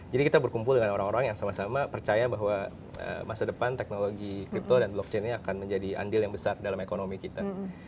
jadi kita berkumpul dengan orang orang yang sama sama percaya bahwa masa depan teknologi crypto dan blockchain ini akan menjadi andil yang besar dalam ekonomi kita